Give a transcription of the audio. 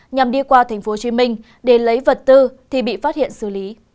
nhằm đi qua tp hcm để lấy vật tư thì bị phát hiện xử lý